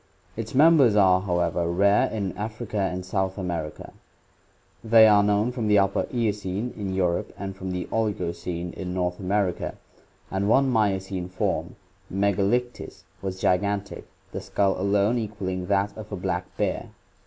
Its members are, however, rare in Africa and South America. They are known from the Upper Eocene in Europe and from the Oligocene of North America, and one Miocene form, Mcgalictis, was gigantic, the skull alone equalling that of a black bear.